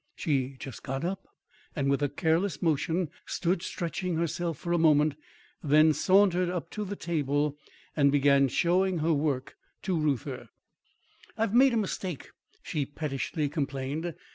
She just got up, and, with a careless motion, stood stretching herself for a moment, then sauntered up to the table and began showing her work to Reuther. "I've made a mistake," she pettishly complained.